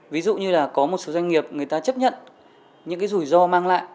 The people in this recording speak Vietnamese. ví dụ như là có một số doanh nghiệp người ta chấp nhận những cái rủi ro mang lại